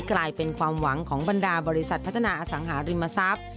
กลายเป็นความหวังของบรรดาบริษัทพัฒนาอสังหาริมทรัพย์